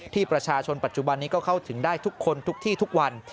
ที่ประชาชนปัจจุบันนี้ก็เข้าถึงได้ทุกคนทุกที่ทุกวัน